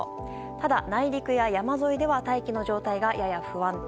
ただ、内陸や山沿いでは大気の状態がやや不安定。